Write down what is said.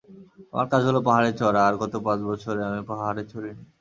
আমার কাজ হল পাহাড়ে চড়া আর গত পাঁচ বছরে আমি পাহাড়ে চড়িনি।